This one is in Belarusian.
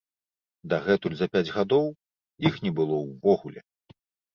Дагэтуль за пяць гадоў, іх не было ўвогуле!